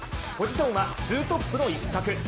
ポジションは、ツートップの一角。